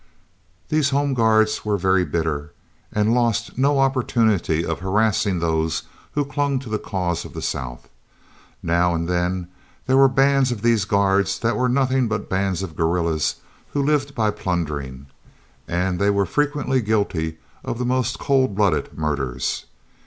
These Home Guards were very bitter, and lost no opportunity of harassing those who clung to the cause of the South. Now and then there were bands of these Guards that were nothing but bands of guerrillas who lived by plundering, and they were frequently guilty of the most cold blooded murders.